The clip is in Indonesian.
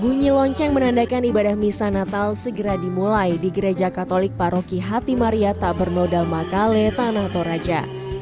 bunyi lonceng menandakan ibadah misa natal segera dimulai di gereja katolik paroki hati maria tak bernodal makale tanah toraja